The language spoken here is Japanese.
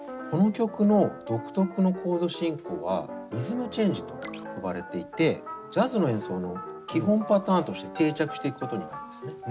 この曲の独特のコード進行はリズム・チェンジと呼ばれていてジャズの演奏の基本パターンとして定着していくことになるんですね。